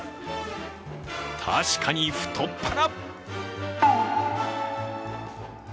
確かに太っ腹！